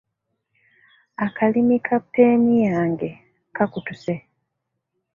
Akalimi ka peni yange kakutuse.